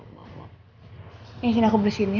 ini sini aku bersihin ya